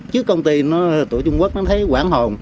trước công ty nó ở trung quốc nó thấy quảng hồn